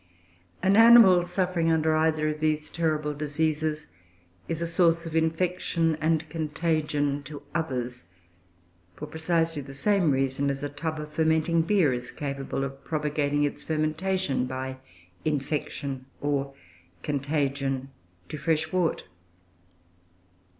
An animal suffering under either of these terrible diseases is a source of infection and contagion to others, for precisely the same reason as a tub of fermenting beer is capable of propagating its fermentation by "infection," or "contagion," to fresh wort.